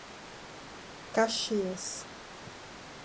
Caxias